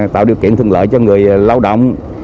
tạo điều kiện thuận lợi cho người lao động